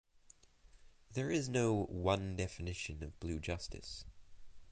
There is no one definition of Blue Justice.